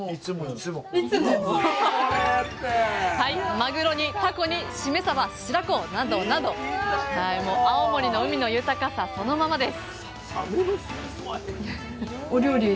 マグロにタコにしめさば白子などなど青森の海の豊かさそのままです